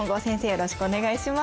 よろしくお願いします。